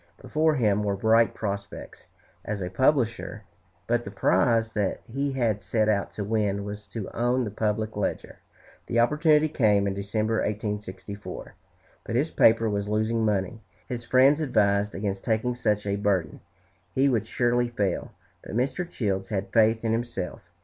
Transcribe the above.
Before him were bright prospects as a publisher; but the prize that he had set out to win was to own the "Public Ledger." The opportunity came in December, 1864. But his paper was losing money. His friends advised against taking such a burden; he would surely fail. But Mr. Childs had faith in himself.